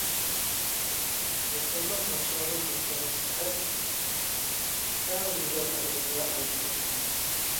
يېقىملىق ناخشاڭنى باشلىغان سەھەر، ئەڭ گۈزەل ئاۋازغا ئايلىنار ئۈنۈم.